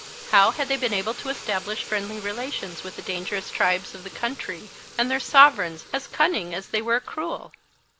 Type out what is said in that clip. How had they been able to establish friendly relations with the dangerous tribes of the country and their sover[e]igns, as cunning as they were cruel?